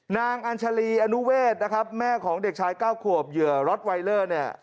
อัญชาลีอนุเวทนะครับแม่ของเด็กชายเก้าขวบเหยื่อรถไวเลอร์เนี่ย